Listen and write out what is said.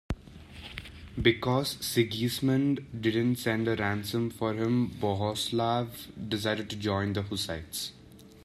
Because Sigismund didn't send a ransom for him, Bohuslav decided to join the Hussites.